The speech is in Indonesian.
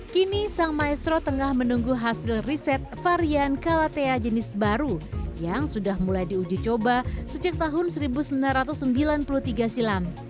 kini sang maestro tengah menunggu hasil riset varian kalatea jenis baru yang sudah mulai diuji coba sejak tahun seribu sembilan ratus sembilan puluh tiga silam